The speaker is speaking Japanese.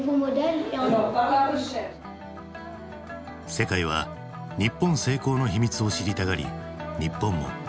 世界は日本成功の秘密を知りたがり日本も世界を意識する。